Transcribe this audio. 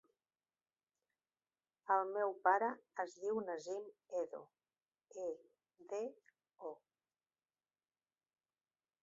El meu pare es diu Nassim Edo: e, de, o.